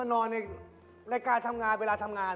นี่เป็นไรจับนกพราบหรอ